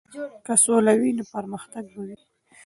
که سوله وي نو پرمختګ به وي.